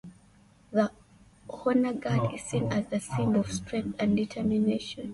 The Honor Guard is seen as a symbol of strength and determination.